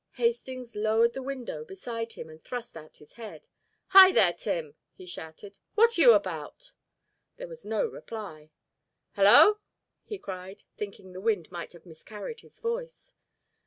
Hastings lowered the window beside him and thrust out his head. "Hi, there, Tim!" he shouted. "What are you about?" There was no reply. "Hello!" he cried, thinking the wind might have miscarried his voice.